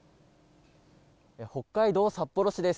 北海道札幌市です。